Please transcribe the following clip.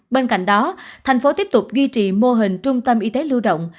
bên cạnh đó tp hcm tiếp tục duy trì mô hình trung tâm y tế lưu động